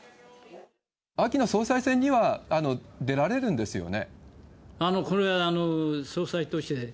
秋の総裁選には出られるんですよね？